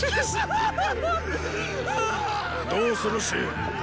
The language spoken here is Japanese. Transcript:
どうする信。